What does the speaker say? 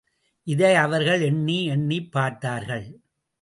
இதை அவர்கள் எண்ணி எண்ணிப் பார்த்தார்கள்.